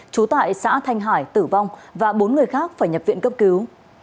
trú tại xã thanh hải tử vong và bốn người khác phải nhập viện cấp cứu